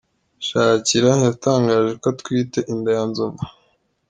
Shakira yatangaje ko atwite inda ya nzovu